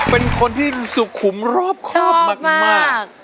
เป็นคนที่สุขขุมรอบครอบมากชอบมาก